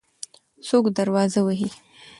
څوک دروازه وهي؟